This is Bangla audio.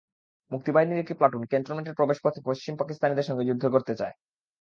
মুক্তিবাহিনীর একটি প্লাটুন ক্যান্টনমেন্টের প্রবেশপথে পশ্চিম পাকিস্তানিদের সঙ্গে যুদ্ধ করতে চায়।